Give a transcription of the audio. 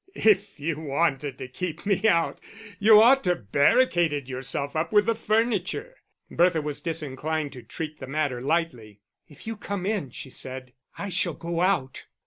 "If you wanted to keep me out, you ought to have barricaded yourself up with the furniture." Bertha was disinclined to treat the matter lightly. "If you come in," she said, "I shall go out."